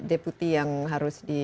deputi yang harus di